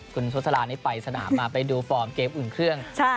คุณสุธรานี้ไปสนามมาไปดูฟอร์มเกมอุ่นเครื่อง